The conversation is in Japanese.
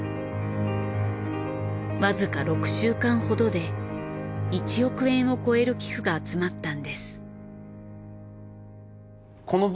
わずか６週間ほどで１億円を越える寄付が集まったんです。